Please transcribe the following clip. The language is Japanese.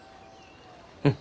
うん。